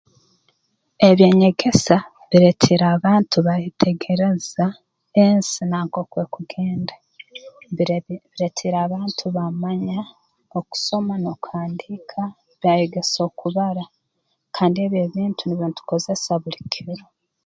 Eby'enyegesa bireetiire abantu baayetegereza ensi na nkooku ekugenda mbir bireetiire abantu baamanya okusoma n'okuhandiika byayegesa okubara kandi ebi ebintu nibyo ntukozesa buli kiro